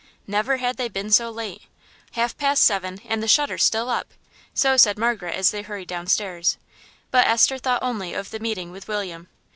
Never had they been so late! Half past seven, and the shutters still up! So said Margaret as they hurried downstairs. But Esther thought only of the meeting with William.